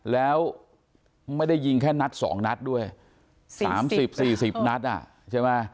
แล้วไม่ได้ยิงแค่นัดสองนัดด้วยสี่สิบสี่สิบนัดอ่ะใช่ไหม